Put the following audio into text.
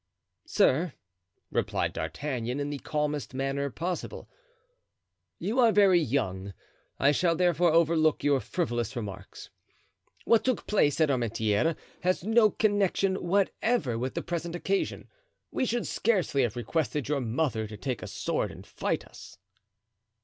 "Sir," replied D'Artagnan, in the calmest manner possible, "you are very young; I shall therefore overlook your frivolous remarks. What took place at Armentieres has no connection whatever with the present occasion. We could scarcely have requested your mother to take a sword and fight us."